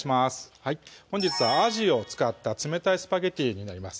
本日はあじを使った冷たいスパゲッティになります